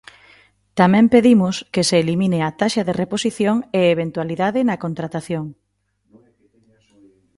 Tamén pedimos que se elimine a taxa de reposición e a eventualidade na contratación.